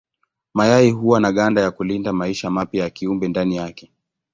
Mayai huwa na ganda ya kulinda maisha mapya ya kiumbe ndani yake.